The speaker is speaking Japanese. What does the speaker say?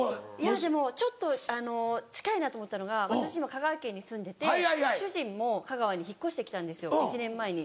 でもちょっと近いなと思ったのが私今香川県に住んでて主人も香川に引っ越してきたんです１年前に。